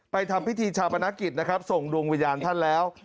ทำพิธีชาปนกิจนะครับส่งดวงวิญญาณท่านแล้ว